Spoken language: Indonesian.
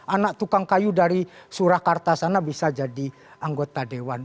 anak tukang kayu dari surakarta sana bisa jadi anggota dewan